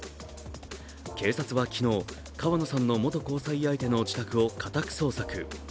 警察は昨日、川野さんの元交際相手の自宅を家宅捜索。